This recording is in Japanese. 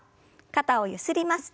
肩をゆすります。